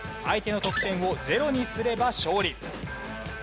相手の得点をゼロにすれば勝利。